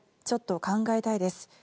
ちょっと考えたいです